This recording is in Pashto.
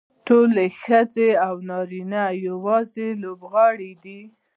ټولې ښځې او نارینه یوازې لوبغاړي دي.